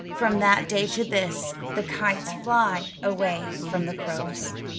From that day to this the kites fly away from the crows.